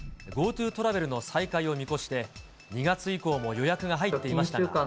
ＧｏＴｏトラベルの再開を見越して、２月以降も予約が入っていましたが。